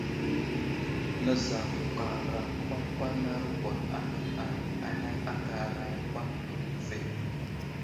Nəzakarakwakwanarogwa anaŋ ane anay aka aray yakw atu ve.